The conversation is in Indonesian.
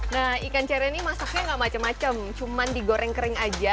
nah ikan cere ini masaknya nggak macam macam cuma digoreng kering aja